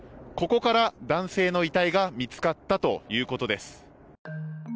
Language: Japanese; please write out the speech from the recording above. ここから男性の遺体が見つかったということです。